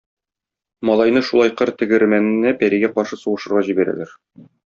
Малайны шулай кыр тегермәненә пәригә каршы сугышырга җибәрәләр.